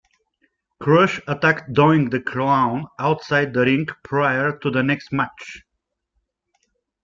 Crush attacked Doink the Clown outside the ring prior to the next match.